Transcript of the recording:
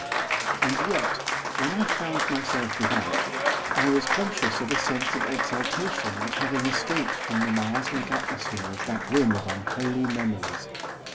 And yet, when I found myself without, I was conscious of a sense of exultation at having escaped from the miasmic atmosphere of that room of unholy memories.